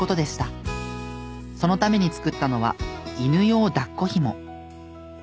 そのために作ったのは犬用抱っこ紐。